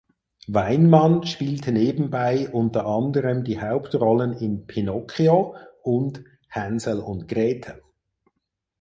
Weinmann spielte nebenbei unter anderem die Hauptrollen in "Pinocchio" und "Hänsel und Gretel".